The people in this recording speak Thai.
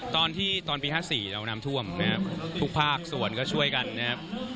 ตอนปี๕๔เราน้ำท่วมนะครับทุกภาคส่วนก็ช่วยกันนะครับ